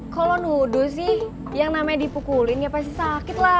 kalau nuduh sih yang namanya dipukulin ya pasti sakit lah